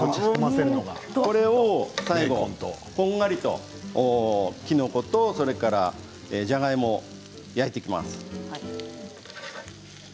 こんがりときのことじゃがいもを焼いていきます。